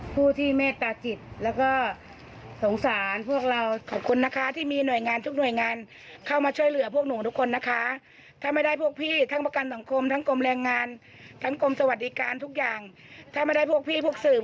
บูรณ์เจ้าของตลาดที่ให้ความเชื่อเหลือ